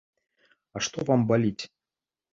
А што вам баліць?